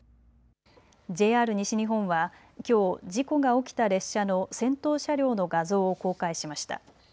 ＪＲ西日本はきょう、事故が起きた列車の先頭車両の画像を公開しました。